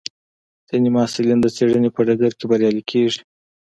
ځینې محصلین د څېړنې په ډګر کې بریالي کېږي.